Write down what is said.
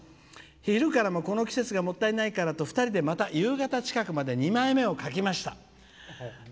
昼からもこの季節がもったいないからと２人で夕方近くまで２枚目を描きました」。